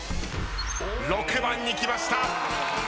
６番にきました。